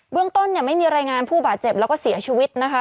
เรื่องต้นเนี่ยไม่มีรายงานผู้บาดเจ็บแล้วก็เสียชีวิตนะคะ